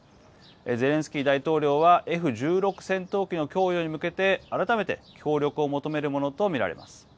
ゼレンスキー大統領はＦ１６戦闘機の供与に向けて改めて協力を求めるものと見られます。